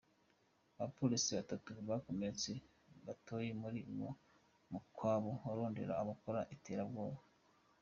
Abapolisi batatu bakomeretse gatoyi, muri uwo mukwabu warondera abakora iterabwoba.